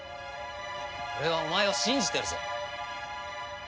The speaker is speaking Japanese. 俺はお前を信じているぞ。